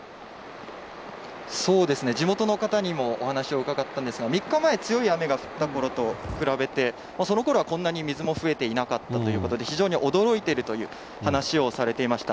そうですね、地元の方にもお話を伺ったんですが、３日前、強い雨が降ったころと比べて、そのころはこんなに水も増えていなかったということで、非常に驚いているという話をされていました。